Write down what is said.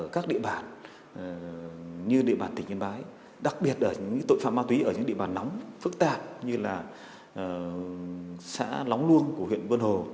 các lực lượng đấu tranh chuyên án